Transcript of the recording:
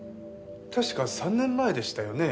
確か３年前でしたよね？